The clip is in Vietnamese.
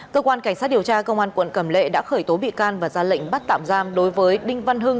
cơ quan cảnh sát điều tra công an quận cầm lệ đã khởi tố bị can và ra lệnh bắt tạm giam đối với đinh văn hưng